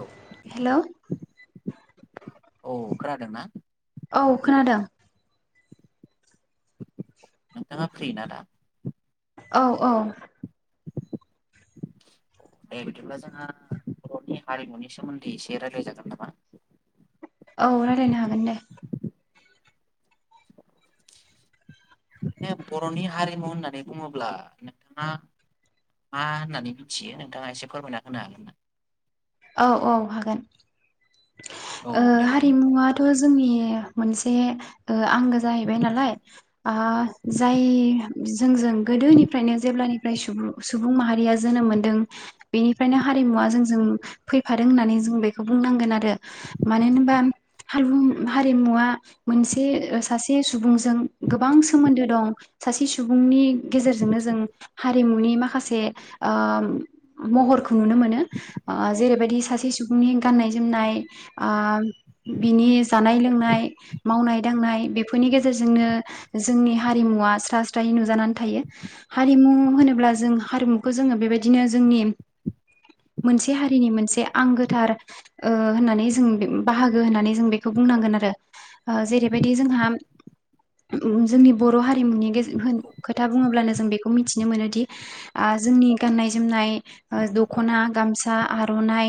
औ हेल' [unintelligible] औ खोनादों नोंथाङा फ्रि ना दा औ औ दे बिदिब्ला जोंहा बर'नि हारिमुनि सोमोन्दै एसे रायज्लाय जागोन नामा औ रायल्लायनो हागोन दे म बर'नि हारिमु होननानै बुङोब्ला नोंथाङा मा होननानै मिथियो नोंथाङा एसे फोरमायना होनो हागोन ना औ औ हागोन औ देलाय हारिमुवथ' जोंनि मोनसे आंगो जाहैबाय नालाय जाय जोंजों गोदोनिफ्रायनो जेब्लानिफ्राय सुबुं सुबुं माहारिया जोनोम मोनदों बेनिफ्रायनो हारिमुवा जोंजों फैफादों होननानै जों बेखौ बुंनांगोन आरो आरो मानो होनबा ह हारिमुवा मोनसे सासे सुबुंजों गोबां सोमोन्दो दं सासे सुबुंनि [unintelligible] हारिमुनि माखासे ओ महरखौ नुनो मोनो ओ जेरैबायदि सासे सुबुंनि गाननाय जोमनाय ओ बिनि जानाय लोंनाय मावनाय दांनाय बेफोरनि गेजेरजोंनो जोंनि हारिमुवा स्रा स्रायै नुजानानै थायो हारिमु होनोब्ला जों हारिमुखौ जोङो बेबायदिनो जोंनि मोनसे हारिनि मोनसे आंगोथार ओ होननानै जों बाहागो होननानै जों बेखौ बुंनांगोन आरो ओ जेरैबायदि जोंहा उम जोंनि बर' हारिमुनि गेजे औ खोथा बुङोब्लानो जों बेखौ मिथिनो मोनोदि ओ जोंनि गाननाय जोमनाय ओ दखना, गामसा, आर'नाय,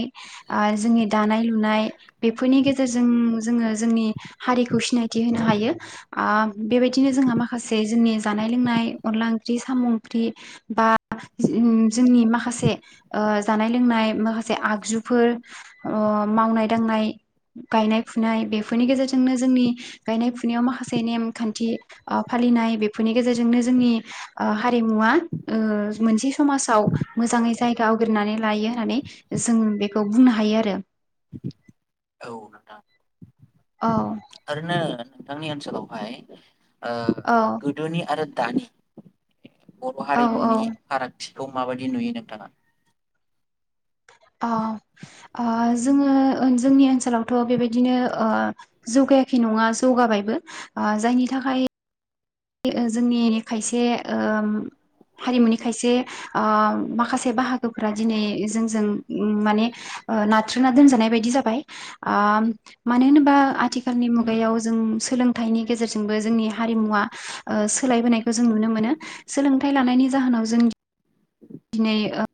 ओ जोंनि दानाय लुनाय बेफोरनि गेजेरजों जोङो जोंनि हारिखौ सिनायथि होनो हायो आ बेबायदिनो जोंहा माखासे जोंनि जानाय लोंनाय अनला ओंख्रि, साम' ओंख्रि बा जोंनि माखासे ओ जानाय लोंनाय माखासे आगजुफोर ओ मावनाय दांनाय, गायनाय फुनाय बेफोरनि गेजेरजोंनो जोंनि गायनाय फुनायाव माखासे नेमखान्थि ओ फालिनाय बेफोरनि गेजेरजोंनो जोंनि ओ हारिमुवा ओ मोनसे समाजाव मोजाङै जायगा आवग्रिनानै लायो होननानै जों बेखौ बुंनो हायो आरो। औ नोंथां। औ आरैनो नोंथांनि ओनसोलावहाय ओ औ गोदोनि आरो दानि बर' औ औ हारिमुनि फाराग थिखौ माबायदि नुयो नोंथाङा? ओ ओ जोङो जोंनि ओनसोलावथ' बेबायदिनो ओ जौगायाखै नङा जौगाबायबो ओ जायनि थाखाय जोंनि खायसे ओम हारिमुनि खायसे ओ माखासे बाहागोफोरा दिनै जोंजों माने ओ नाथ्रोना दोनजानाय बायदि जाबाय ओ मानो होनोबा आथिखालनि मुगायाव जों सोलोंथाइनि गेजेरजोंबो जोंनि हारिमुवा ओ सोलायबोनायखौ जों नुनो मोनो सोलोंथाइ लानायनि जाहोनाव जों दिनै ओ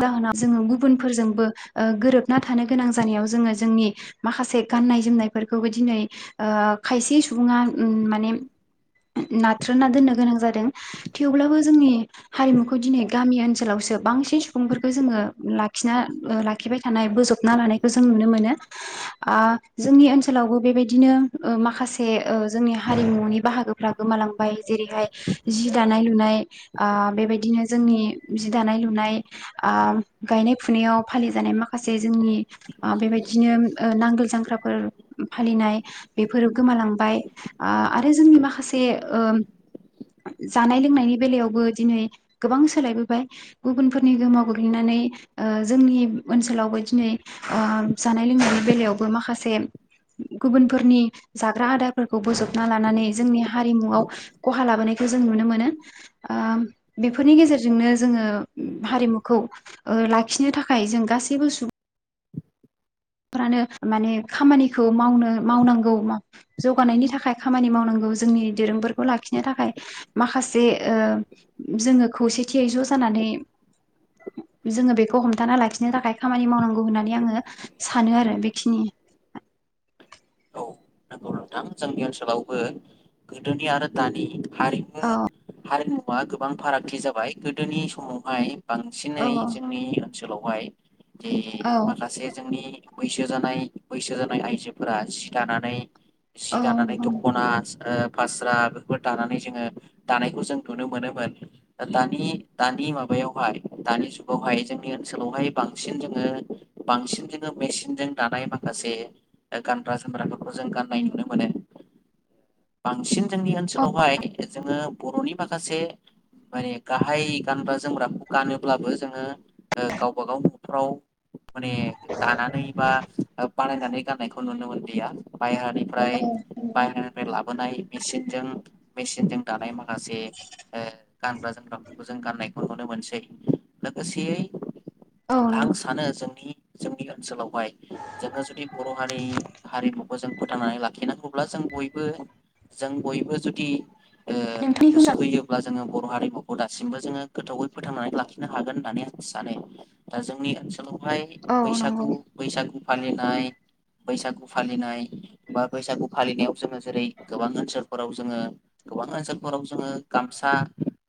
जाहोनाव जोङो गुबुनफोरजोंबो ओ गोरोबना थानो गोनां जानायाव जोङो जोंनि माखासे गाननाय जोमनायफोरखौबो दिनै ओ खायसे सुबुङा उम माने नाथ्रोदना दोननो गोनां जादों थेवब्लाबो जोंनि हारिमुखौ दिनै गामि ओनसोलावसो बांसिन सुबुंफोरखौ जोङो लाखिना ओ लाखिबाय थानाय बोजबना लानायखौ जों नुनो मोनो ओ जोंनि ओनसोलावबो बेबायदिनो ओ माखासे ओ जोंनि हारिमुनि बाहागोफ्रा गोमालांबाय जेरैहाय जि दानाय लुनाय ओ बेबायदिनो जोंनि जि दानाय लुनाय, ओ गायनाय फुनायाव फालि जानाय माखासे जोंनि ओ बेबायदिनो ओ नांगोल जांख्राफोर फालिनाय बेफोरो गोमालांबाय आरो जोंनि माखासे ओम जानाय लोंनायनि बेलायावबो दिनै गोबां सोलायबोबाय गुबुन फोरनि गोहोमाव गोग्लैनानै ओ जोंनि ओनसोलावबो दिनै ओ जानाय लोंनायनि बेलायावबो माखासे गुबुनफोरनि जाग्रा आदारफोरखौ बोजबना लानानै जोंनि हारिमुआव खहा लाबोनायखौ जों नुनो मोनो ओम बेफोरनि गेजेरजोंनो जोङो हारिमुखौ ओ लाखिनो थाखाय जों गासैबो सुबुं फोरानो माने खामानिखौ मावनो मावनांगौ जौगानायनि थाखाय खामानि मावनांगौ जोंनि दोरोंफोरखौ लाखिनो थाखाय माखासे ओ जोङो खौसेथियै ज' जानानै जोङो बेखौ हमथाना लाखिनो थाखाय खामानि मावनांगौ होननानै आङो सानो आरो बेखिनि। औ नंगौ नोंथां जोंनि ओनसोलावबो गोदोनि आरो दानि हारिमु औ हारिमु आं गोबां फारागथि जाबाय गोदोनि समावहाय औ बांसिनै जोंनि ओनसोलावहाय जे औ माखासे जोंनि बैसो जानाय बैसो जानाय आइजोफोरा जि दानानै जि औ दानानै दख'ना ओ फास्रा बेफोर दानानै जोङो दानायखौ जों नुनो मोनोमोन दानि दानि माबायावहाय दानि जुगावहाय जोंनि ओनसोलावहाय बांसिन जोङो बांसिन जोङो मेसिनजों दानाय माखासे ओ गानग्रा जोमग्राफोरखौ जों गाननाय नुनो मोनो। बांसिन जोंनि औ ओनसोलावहाय जोङो बर'नि माखासे माने गाहाय गानग्रा जोमग्राखौ गानोब्लाबो जोङो ओ गावबा गाव न'फ्राव माने दानानै बा बानायनानै गाननायखौ नुनो [unintelligible] मोनलिया। बायहानिफ्राय बाय बोनाय मेसिनजों मेसिनजों दानाय माखासे ओ गानग्रा जोमग्राफोरखौ जों गाननायखौ नुनो मोनसै लोगोसेयै औ आं सानो जों दि जोंनि ओनोलावहाय जोङो जुदि बर' हारि हारिमुखौ जों फोथांनानै लाखिनांगौब्ला जों बय [unintelligible] जों बयबो जुदि ओ नोंथांनिखौ गोसो मोजां होयोबा ओ जोङो बर हारिमुखौ दासिमबो जोङो गोथौयै फोथांनानै लाखिनो हागोन होननानै आं सानो दा जोंनि ओनसोलाव हाय औ बैसागु नंगौ बैसागु फालिनाय बैसागु फालिनाय बा बैसागु फालिनायाव जोङो जेरै गोबां ओनसोलफोराव जोङो गोबां ओनसोलफोराव जोङो गामसा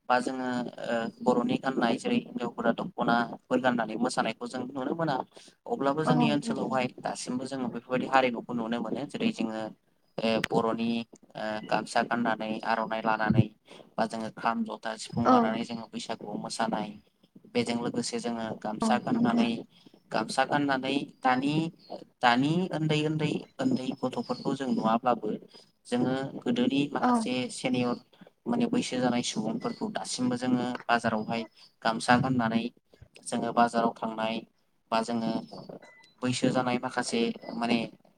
बा जोङो ओ बर'नि गान्नाय जेरै हिनजावफोरा दखनाफोर गान्नानै मोसानायखौ जों नुनो मोना। अब्लाबो औ जोंनि नंगौ ओनसोलावहाय दासिमबो जोङो बेफोरबायदि हारिमु उ नुनो मोनो जेरै जोंङो ए बर'नि ओ गामसा गाननानै आरनाइ लानानै बा जोङो खाम ज दा सिफुं औ लानानै जों बैसागु खौ मोसानाय बेजों लोगोसे जोङो औ गामसा नंगौ गाननानै गामसा गाननानै दानि दानि ओन्दै ओन्दै ओन्दै गथ'फोरखौ जों नुवा ब्लाबो जोङो गोदोनि औ माखासे सेनियर माने बैसो जानाय सुबुंफोरखौ दासिमबो जोङो बाजारावहाय गामसा फा गाननानै जोङो बाजाराव थांनाय बा जोङो बैसो जानाय माखासे माने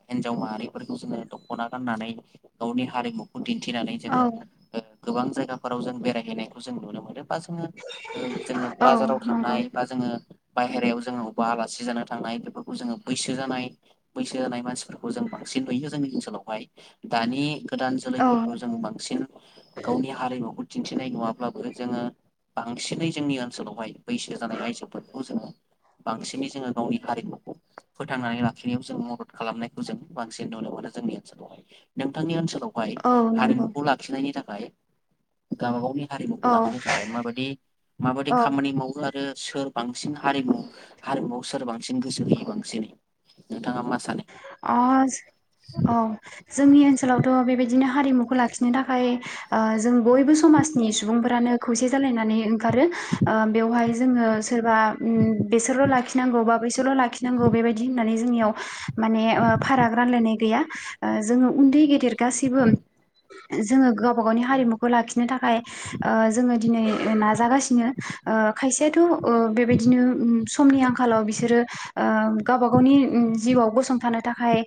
हिनजाव माहारिफोरखौ जोङो दखना गाननानै गावनि हारिमुखौ दिन थिनानै औ जोङो गोबां जायगाफोराव जों बेरायहैनायखौ जों नुनो मोनो। बा जोङो ओ जोङो औ बाजाराव नंगौ थानाय बा जोङो बायहेरायाव जोङो अबेबा आलासि जानो थांनाय बेफोरखौ जोङो बैसो जानाय बैसो जानाय मानसिफोरखौ जों बांसिन नुयो जोंनि ओनसोलाव। [inaudible] य दानि गोदान औ जोलैफोरखौ जों नंगौ बांसिन गावनि हारिमुखौ दिन्थिनाय नुङाब्लाबो जोङो बांसिनै जोंनि ओनसोलावहाय बैसो जानाय आइजोफोरखौ जोङो बांसिनै जोङो गावनि हारिमुखौ फोथांनानै लाखिनायाव जों मदद खालामनायखौ जों बांसिन नुनो मोनो जोंनि। नोंथांनि ओनसोल हाय औ नंगौ हारिमुखौ लाखिनायनि थाखाय। फाय गावबा गावनि हारिमुखौ औ लाखिनो थाखाय माबादि माबादि औ खामानि मावो आरो आरो सोर बांसिन हारिमु हारिमुआव सोर बांसिन गोसो होयो बांसिनै नोंथाङा मा सानो? आ औ जोंनि ओनसोलावथ' बेबायदिनो हारिमुखौ लाखिनो थाखाय ओ जों बयबो समाजनि सुबुंफोरानो खौसे जालायनानै ओंखारो ओ बेवहाय जोङो सोरबा बेसोरल' लाखि नांगौ बा बाैसोरल' लाखिनांगौ बेबायदि होननानै जोंनियाव माने फाराग रानलायनाय गैया जोङो उन्दै गेदेर गासैबो जोङो गावबा गावनि हारिमुखौ लाखिनो थाखाय जोङो दिनै नाजागासिनो खायसेयाथ' ओ बेबायदिनो ओ समनि आंखाल आंखालाव बिसोरो गावबा गावनि जिउआव बस संथानो थाखाय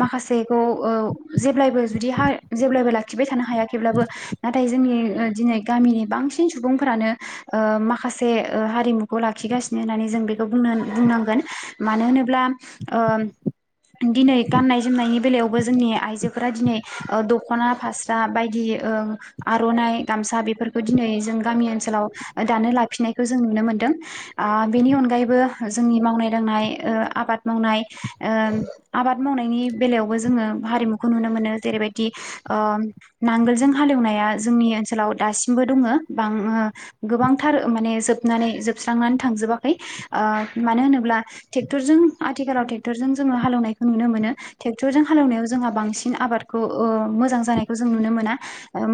माखासेखौ ओ जेब्लायबो जुदि जेब्लायबो लाखिबाय थानो हायाखैब्लाबो नाथाय जोंनि दिनै गामिनि बांसिन सुबुंफोरानो ओ माखासे हारिमुखौ लाखिगासिनो होन्नानै जों बेखौ बुंनो बुंनांगोन मानो होनोब्ला ओम दिनै गाननाय जोमनायनि बेलायावबो जोंनि आइजोफोरा दिनै दखना फास्रा बायदि आरनाइ गामसा बेफोरखौ दिनै जों गामि ओनसोलाव दानो लाफिननायखौ जों नुनो मोनदों बेनि अनगायैबो जोंनि मावनाय दांनाय आबाद मावनाय आबाद मावनायनि बेलायावबो जोङो हारिमुखौ नुनो मोनो जेरैबायदि ओ नांगोलजों हालेवनाया जोंनि ओनसोलाव दासिमबो दङ बां गोबांथार माने जोबनानै जोबस्रांनानै थांजोबाखै ओ मानो होनोब्ला ट्रेक्टरजों आथिखालाव टेट ट्रेक्टर जों जोङो हालौनायखौ नुनो मोनो ट्रेक्टरजों हालौनायाव जोंहा बांसिन आबादखौ मोजां जानायखौ जों नुनो मोना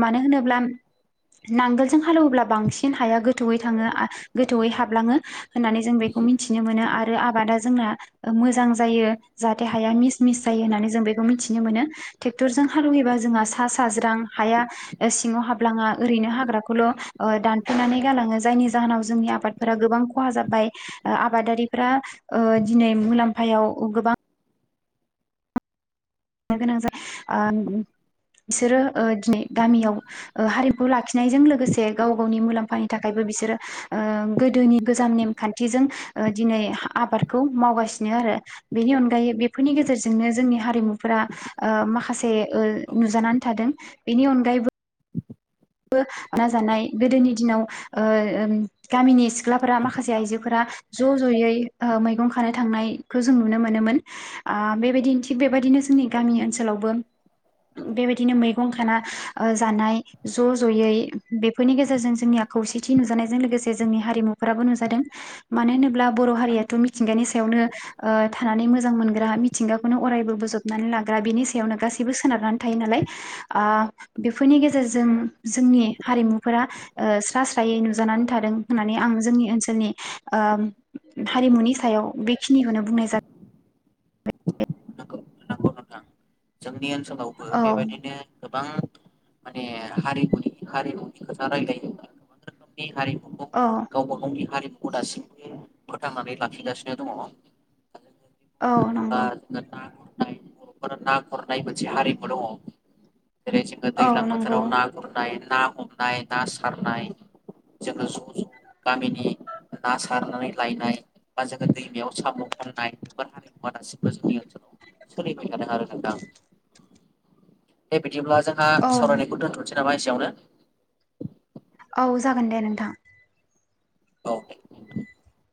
मानो होनोब्ला नांगोलजों हालेवोब्ला बांसिन हाया गोथौयै थाङो गोथौयै हाबलाङो होननानै जों बेखौ मिथिनो मोनो आरो आबादा जोंना मोजां मोजां जायो जाहाथे हाया मिस मिस जायो होननानै जों बेखौ मिथिनो मोनो ट्रेक्टरजों हालेवयोबा जोंहा सा साज्रां हाया सिङाव हाबलाङा ओरैनो हाग्राखौल दानफ्लेनानै गालाङो जायनि जाहोनाव जोंनि आबादफोरा गोबां खहा जाबाय आबादारिफोरा दिनै मुलाम फायाव गोबां गोनां जायो बिसोरो दिनै गामियाव हारिमु लाखिनायजों लोगोसे गाव गावनि मुलाम्फानि थाखायबो बिसोरो गोदोनि गोजाम नेमखान्थिजों दिनै आबादखौ मावगासिनो आरो बेनि अनगायै बेफोरनि गेजेरजोंनो जोंनि हारिमु फोरा ओ माखासे औ से नुजानानै थादों बेनि अनगायैबो बो नाजानाय गोदोनि दिनाव ओ गामिनि सु सिख्लाफोरा नंगौ माखासे नोंथां आइजोफोरा ज जयै मैगं खानो थांनायखौ जों नुनो मोनोमोन ओ बेबायदिनो थिग बेबायदिनो जोंनि गामि ओनसोलावबो बेबायदिनो मैगं खाना जानाय ज जयै बेफोरनि गेजेरजों जोंनिया खौसेथि नुजानायजों लोगोसे जोंनि हारिमुफोराबो नुजादों मानो होनोब्ला बर हारियाथ मिथिंगानि सायावनो थानानै मोजां मोनग्रा मिथिंगाखौनो अरायबो बोजबनानै लाग्रा बिनि सायावनो गासैबो सोनारनानै थायो नालाय ओ बेफोरनि गेजेरजों जों जोंनि हारिमुफोरा स्रा स्रायै नुजानानै थादों होननानै आं जोंनि ओनसोलनि हारिमुनि सायाव बेखिनिखौनो बुंनाय जादों नंगौ नंगौ नोंथां जों नि ओनसोलावबो औ बेबायदिनो गोबां माने हारिमुनि हारिमुनि खोथा रायलायो गोबां रोखोमनि हारिमु औ गावबा गावनि हारिमु दासिमबो फोथांनानै लाखिगासिनो दङ औ नंगौ दा ना गुरनाय बरफोरनि ना गुरनाय मोनसे हारिमु दङ जेरै जोङो औ दैज्लां नंगौ बोथोराव ना गुरनाय ना हमनाय ना सारनाय जोङो ज ज गामिनि ना सारनानै लायनाय बा जोङो दैमायाव साम खननाय बेफोर हारिमुवा दासिमबो जोंनि ओनसोलाव सोलि [unintelligible] नोंथां [inaudible] अब्ला जोंहा औ सावरायनायखौ दोनथसै। नामा एसेयावनो औ जागोन दे नोंथां अके [unintelligible]